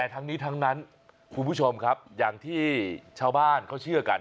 แต่ทั้งนี้ทั้งนั้นคุณผู้ชมครับอย่างที่ชาวบ้านเขาเชื่อกัน